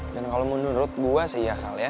dan kalo menurut gue sih ya kal ya